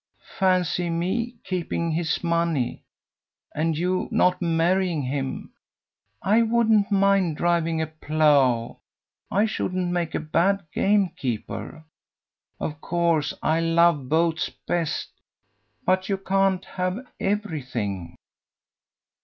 Fancy me keeping his money, and you not marrying him! I wouldn't mind driving a plough. I shouldn't make a bad gamekeeper. Of course I love boats best, but you can't have everything."